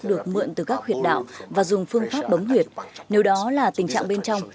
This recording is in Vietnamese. bóng huyệt nếu đó là tình trạng bên trong